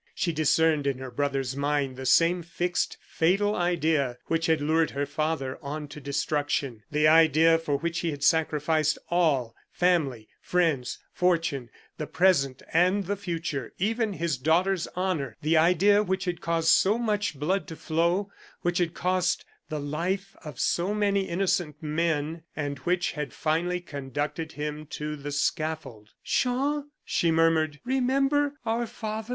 She discerned in her brother's mind the same fixed, fatal idea which had lured her father on to destruction the idea for which he had sacrificed all family, friends, fortune, the present and the future even his daughter's honor the idea which had caused so much blood to flow, which had cost the life of so many innocent men, and which had finally conducted him to the scaffold. "Jean," she murmured, "remember our father."